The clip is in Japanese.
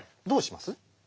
どうします？